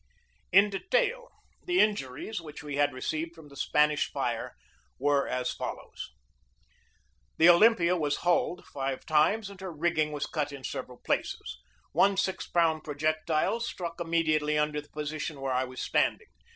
In detail the injuries which we had received from the Spanish fire were as follows: The Olympia was hulled five times and her rig ging was cut in several places. One six pound pro jectile struck immediately under the position where I was standing.